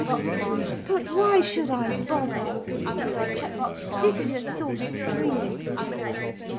'But why should I bother?' he said; 'this is a sort of dream.'